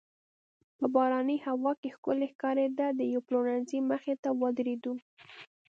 په دې باراني هوا کې ښکلې ښکارېده، د یوې پلورنځۍ مخې ته ودریدو.